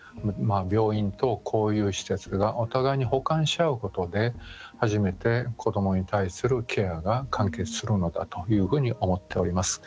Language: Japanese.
病院とこういう施設がお互いに補完しあうことで初めて子どもに対するケアが完結するのだというふうに思っております。